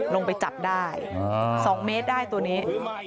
ลงไปจับได้๒เมตรได้ตัวนี้